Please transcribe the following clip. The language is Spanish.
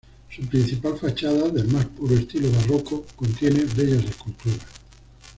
Su principal fachada, del más puro estilo barroco, contiene bellas esculturas.